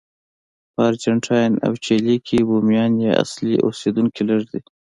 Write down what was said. په ارجنټاین او چیلي کې بومیان یا اصلي اوسېدونکي لږ دي.